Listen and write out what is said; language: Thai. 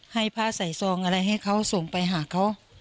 ให้ผ้าใส่ซองอะไรให้เขาส่งไปหาเขา